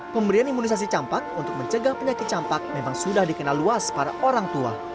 pemberian imunisasi campak untuk mencegah penyakit campak memang sudah dikenal luas para orang tua